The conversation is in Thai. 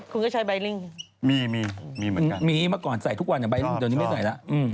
คุณก็ใช้ใบลิ้งเหรอมีเหมือนกันชอบมีมาก่อนใส่ทุกวันกับใบลิ้งตอนนี้ไม่ใส่แล้ว